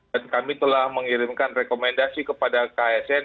dan kami telah mengirimkan rekomendasi kepada ksn